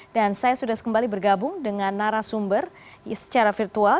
dan saya sudah kembali bergabung dengan narasumber secara virtual